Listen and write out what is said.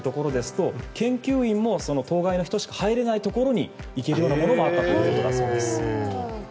１０万円のプレミアコースですと研究員も当該のところしか入れないところに行けるようなものもあったということだそうです。